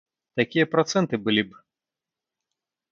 Такія працэнты былі б!